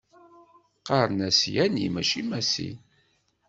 Qqaren-as Yani macci Masi.